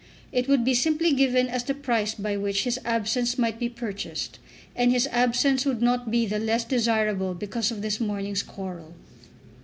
It would be simply given as the price by which his absence might be purchased, and his absence would not be the less desirable because of this morning's quarrel.